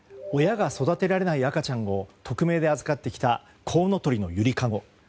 親が育てられない赤ちゃんを匿名で預かってきたこうのとりのゆりかご。